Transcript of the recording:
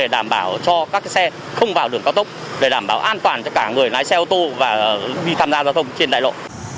đảm bảo cho các xe không vào đường cao tốc để đảm bảo an toàn cho cả người lái xe ô tô và khi tham gia giao thông trên đại lộ